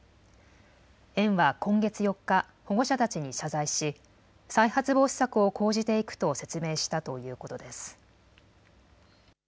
園は今月４日、保護者たちに謝罪し再発防止策を講じていくと説明したということです。